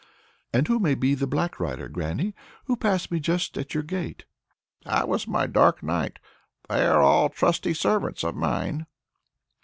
"And who may be the black rider, granny, who passed by me just at your gate?" "That was my dark Night; they are all trusty servants of mine."